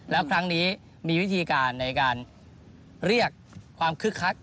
แล้วครั้งนี้มีวิธีการในการเรียกความคึกคัก